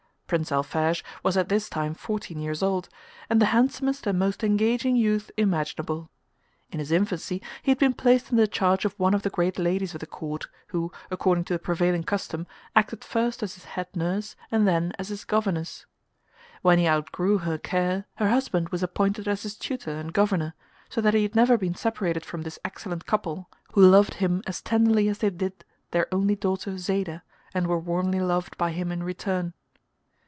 Prince Alphege was at this time fourteen years old, and the handsomest and most engaging youth imaginable. In his infancy he had been placed in the charge of one of the great ladies of the Court, who, according to the prevailing custom, acted first as his head nurse and then as his governess. When he outgrew her care her husband was appointed as his tutor and governor, so that he had never been separated from this excellent couple, who loved him as tenderly as they did their only daughter Zayda, and were warmly loved by him in return.